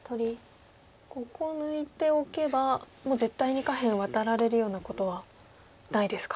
ここ抜いておけばもう絶対に下辺ワタられるようなことはないですか。